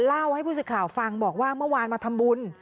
เล่าให้ผู้สื่อข่าวฟังบอกว่าเมื่อวานมาทำบุญ